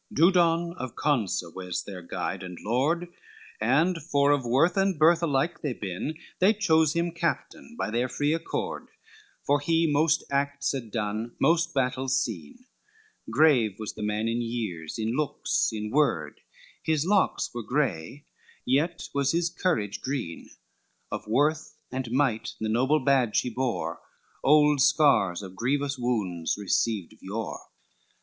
LIII Dudon of Consa was their guide and lord, And for of worth and birth alike they been, They chose him captain, by their free accord, For he most acts had done, most battles seen; Grave was the man in years, in looks, in word, His locks were gray, yet was his courage green, Of worth and might the noble badge he bore, Old scars of grievous wounds received of yore.